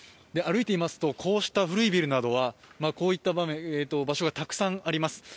歩いていますと、こうした古いビルなど、こういった場所がたくさんあります。